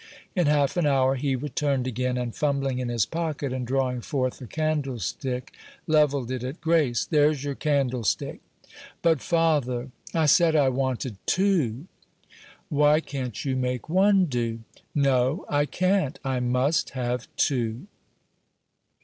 In half an hour he returned again; and fumbling in his pocket, and drawing forth a candlestick, levelled it at Grace. "There's your candlestick." "But, father, I said I wanted two." "Why, can't you make one do?" "No, I can't; I must have two."